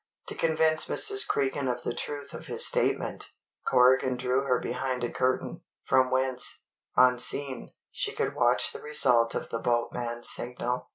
To convince Mrs. Cregan of the truth of his statement, Corrigan drew her behind a curtain, from whence, unseen, she could watch the result of the boatman's signal.